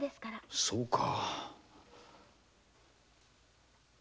そうか。